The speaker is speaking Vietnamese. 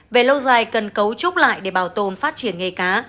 về lâu dài cần cấu trúc lại để bảo tồn phát triển nghề cá